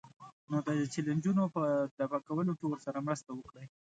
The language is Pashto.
نو د چیلنجونو په دفع کولو کې ورسره مرسته وکړئ.